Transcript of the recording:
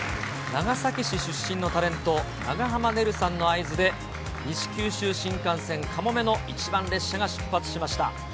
長崎市出身のタレント、長濱ねるさんの合図で、西九州新幹線かもめの１番列車が出発しました。